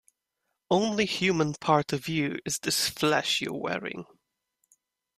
Only human part of you is this flesh you're wearing.